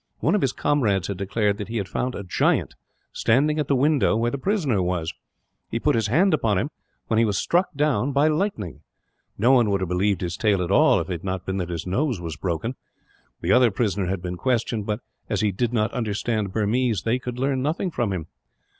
One of his comrades had declared that he had found a giant, standing at the window where the prisoner was. He put his hand upon him, when he was struck down by lightning. No one would have believed his tale at all, if it had not been that his nose was broken. The other prisoner had been questioned but, as he did not understand Burmese, they could learn nothing from him.